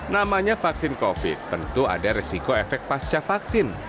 namanya vaksin covid tentu ada resiko efek pasca vaksin